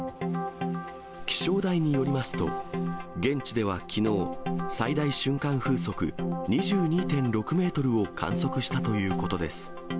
気象台によりますと、現地ではきのう、最大瞬間風速２２．６メートルを観測したということです。